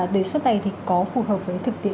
đề xuất này thì có phù hợp với thực tiễn